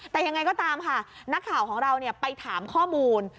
แต่ยังไงก็ตามค่ะนักข่าวของเราไปถามข้อมูล